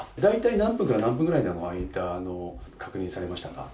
何分から何分ぐらいの間を確認されましたか？